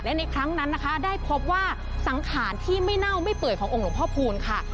และในครั้งนั้นนะคะได้พบว่าสังขารที่ไม่เน่าไม่เปื่อยขององค์หลวงพ่อพูนค่ะ